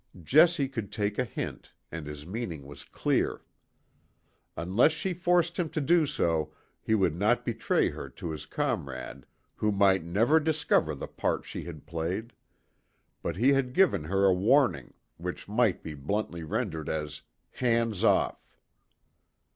Jessie could take a hint, and his meaning was clear. Unless she forced him to do so, he would not betray her to his comrade, who might never discover the part she had played; but he had given her a warning, which might be bluntly rendered as, "Hands off."